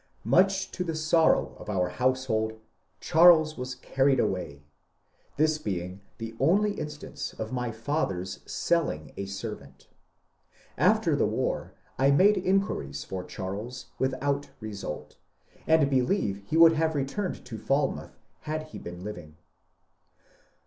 Much to tbe sorrow of our household, § BASIL GORDON 13 Charles was carried away, this being the only instance of my father's selling a servant. After the war I made inquiries for Charles without result, and believe he would have returned to Falmouth had he been living.